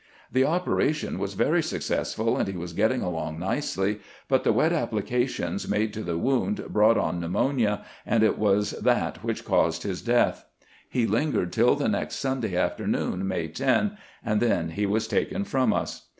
The operation was very successful, and he was getting along nicely ; but the wet applications made to the wound brought on pneumonia, and it was that 134 CAMPAIGNING WITH GBANT ■wMch caused his death. He lingered till the next Sun day afternoon, May 10, and then he was taken from us."